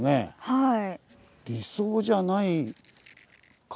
はい。